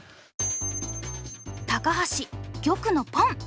高橋玉のポン！